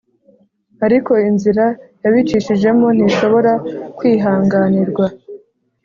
Ariko inzira yabicishijemo ntishobora kwihanganirwa